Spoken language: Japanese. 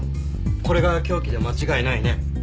これが凶器で間違いないね。